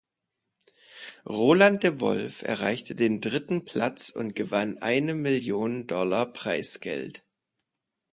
Roland De Wolfe erreichte den dritten Platz und gewann eine Million Dollar Preisgeld.